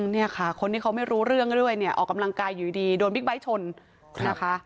เนี่ยค่ะคนที่เขาไม่รู้เรื่องด้วยเนี่ยออกกำลังกายอยู่ดีโดนบิ๊กไบท์ชนนะคะ